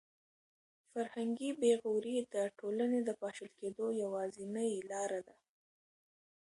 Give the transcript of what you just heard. فرهنګي بې غوري د ټولنې د پاشل کېدو یوازینۍ لاره ده.